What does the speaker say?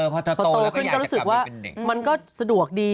พอโตขึ้นก็รู้สึกว่ามันก็สะดวกดี